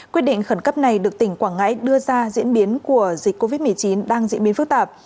quyết định khẩn cấp này được tỉnh quảng ngãi đưa ra diễn biến của dịch covid một mươi chín đang diễn biến phức tạp